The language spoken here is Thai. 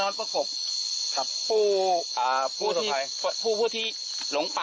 ขอบคุณทุกคน